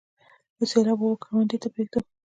د سیلاب اوبه کروندې ته پریږدم؟